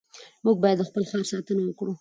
موږ باید د خپل ښار ساتنه وکړو.